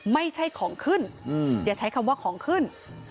ไม่ใช่ของขึ้นอย่าใช้คำว่าของขึ้น